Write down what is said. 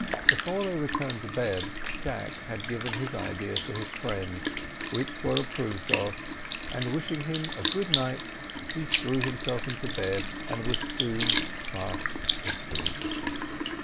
Before they retired to bed, Jack had given his ideas to his friend, which were approved of, and wishing him a good night, he threw himself into bed, and was soon fast asleep.